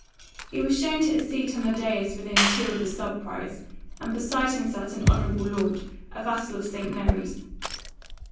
He was shown to a seat on the dais within two of the subprior's, and beside him sat an honourable lord, a vassal of St. Mary's.